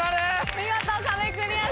見事壁クリアです。